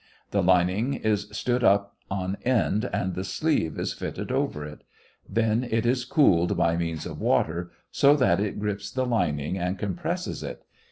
The lining is stood up on end and the sleeve is fitted over it. Then it is cooled by means of water, so that it grips the lining and compresses it.